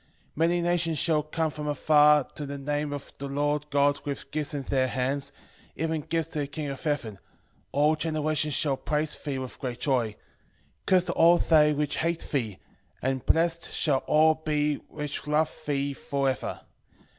13:11 Many nations shall come from far to the name of the Lord God with gifts in their hands, even gifts to the King of heaven; all generations shall praise thee with great joy. 13:12 Cursed are all they which hate thee, and blessed shall all be which love thee for ever.